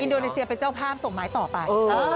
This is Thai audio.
โดนีเซียเป็นเจ้าภาพส่งไม้ต่อไป